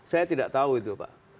saya tidak tahu itu pak